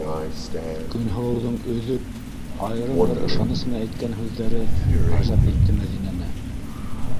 - Көнһылыуҙың өҙөп, айырым бер ышаныс менән әйткән һүҙҙәре ғәжәп итте Мәҙинәне.